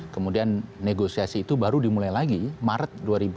kemudian negosiasi itu baru dimulai lagi maret dua ribu dua puluh